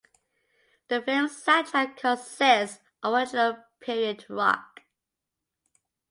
The film's soundtrack consists of original period rock.